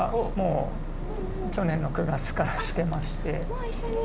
もう一緒に？